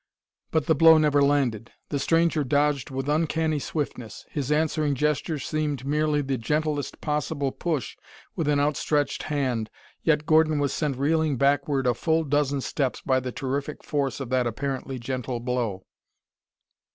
But the blow never landed. The stranger dodged with uncanny swiftness. His answering gesture seemed merely the gentlest possible push with an outstretched hand, yet Gordon was sent reeling backward a full dozen steps by the terrific force of that apparently gentle blow.